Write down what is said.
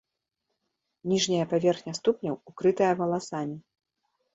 Ніжняя паверхня ступняў укрытая валасамі.